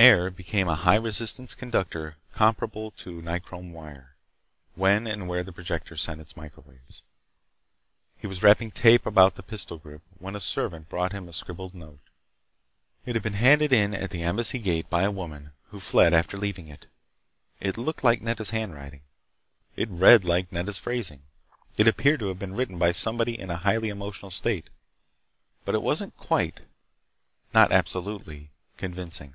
Air became a high resistance conductor comparable to nichrome wire, when and where the projector sent its microwaves. He was wrapping tape about the pistol grip when a servant brought him a scribbled note. It had been handed in at the Embassy gate by a woman who fled after leaving it. It looked like Nedda's handwriting. It read like Nedda's phrasing. It appeared to have been written by somebody in a highly emotional state. But it wasn't quite—not absolutely—convincing.